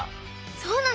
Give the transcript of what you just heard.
そうなの！